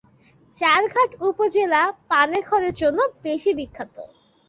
চারঘাট উপজেলা পান এর খড়ের জন্য বেশি বিখ্যাত।